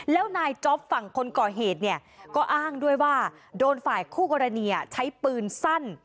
แล้วนายจ๊อปฝั่งคนก่อเหตุเนี่ยก็อ้างด้วยว่าโดนฝ่ายคู่กรณีใช้ปืนสั้น